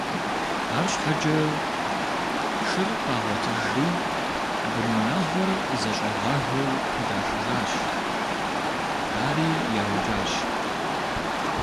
Арщхьэкӏэ шыр къагъуэтыжри, бынунагъуэр зэщӏэгъуагэу дашыжащ, ари яукӏащ.